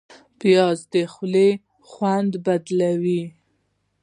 پیاز د خولې خوند بدلوي